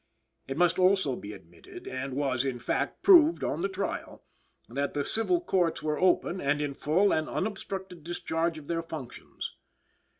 It must also be admitted, and was, in fact, proved on the trial, that the civil courts were open and in full and unobstructed discharge of their functions.